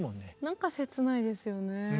なんか切ないですよね。